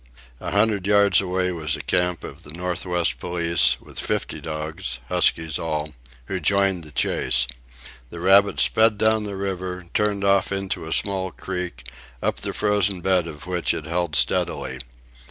A hundred yards away was a camp of the Northwest Police, with fifty dogs, huskies all, who joined the chase. The rabbit sped down the river, turned off into a small creek, up the frozen bed of which it held steadily.